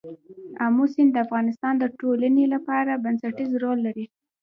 آمو سیند د افغانستان د ټولنې لپاره بنسټيز رول لري.